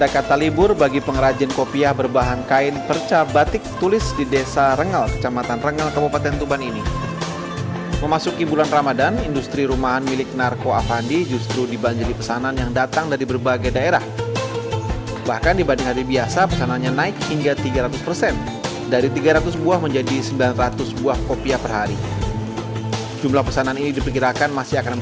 kualitasnya yang bagus dan murah membuat kopiah percabatik ini banyak diminati umat muslim